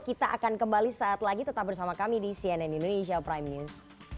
kita akan kembali saat lagi tetap bersama kami di cnn indonesia prime news